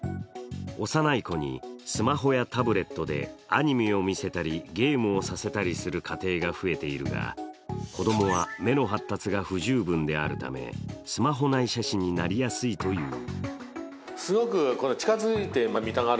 幼い子にスマホやタブレットでアニメを見せたり、ゲームをさせたりする家庭が増えているが子供は目の発達が不十分であるため、スマホ内斜視になりやすいという。